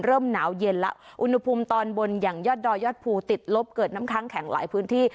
เริ่มหนาวเย็นแล้วอุณหภูมิตอนบนอย่างยอดดอยยอดภูติดลบเกิดน้ำค้างแข็งหลายพื้นที่